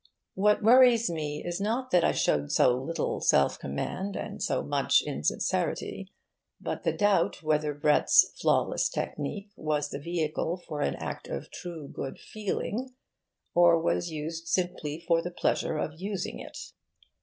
What worries me is not that I showed so little self command and so much insincerity, but the doubt whether Brett's flawless technique was the vehicle for an act of true good feeling or was used simply for the pleasure of using it.